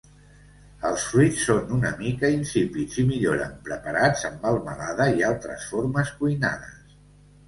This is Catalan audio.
Els fruits són una mica insípids i milloren preparats en melmelada i altres formes cuinades.